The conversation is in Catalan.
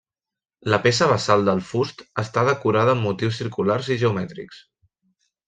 La peça basal del fust està decorada amb motius circulars i geomètrics.